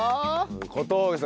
小峠さん